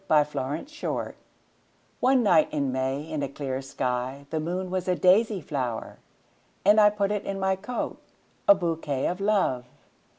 My Flower ONE night in May in a clear skyThe moon was a daisy flower:And! put it in my coat,A bouquet of Love!